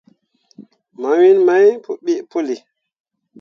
Mawin main pǝbeʼ pǝlli.